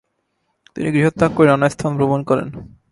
তিনি গৃহত্যাগ করে নানা স্থান ভ্রমণ করেন।